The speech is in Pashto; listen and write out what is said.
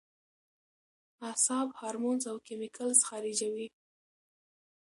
اعصاب هارمونز او کېميکلز خارجوي